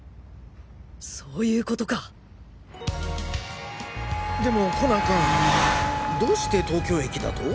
そういうコトかでもコナン君どうして東京駅だと？